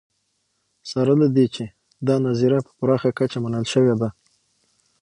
سره له دې چې دا نظریه په پراخه کچه منل شوې ده